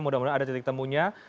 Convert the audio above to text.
mudah mudahan ada titik temunya